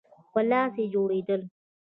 په لاس جوړېدل.